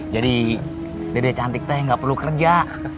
jadi dede cantik teh nggak perlu kerja